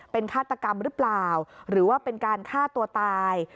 เป็นฆาตกรรมหรือเปล่าหรือว่าเป็นการฆ่าตัวตาย